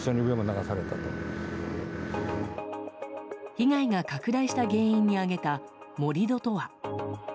被害が拡大した原因に挙げた盛り土とは？